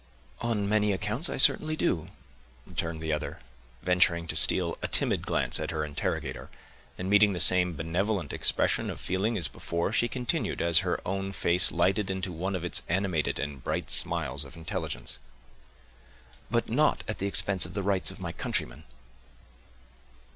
"On many accounts I certainly do," returned the other, venturing to steal a timid glance at her interrogator; and, meeting the same benevolent expression of feeling as before, she continued, as her own face lighted into one of its animated and bright smiles of intelligence, "but not at the expense of the rights of my countrymen."